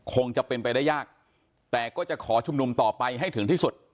คงจะเป็นไปได้ยากแต่ก็จะขอชุมนุมต่อไปให้ถึงที่สุด